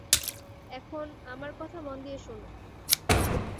এখন আমার কথা মন দিয়ে শোন।